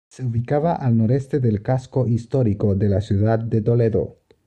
Se ubicaba al noreste del casco histórico de la ciudad de Toledo.